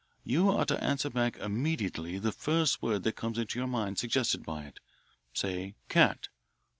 You are to answer back immediately the first word that comes into your mind suggested by it say 'cat.'